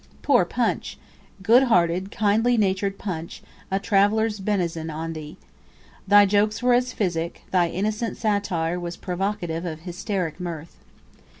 Poor 'Punch!' good hearted, kindly natured 'Punch!' a traveller's benison on thee! Thy jokes were as physic; thy innocent satire was provocative of hysteric mirth.